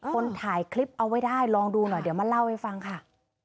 คนถ่ายคลิปเอาไว้ได้ลองดูหน่อยเดี๋ยวมาเล่าให้ฟังค่ะ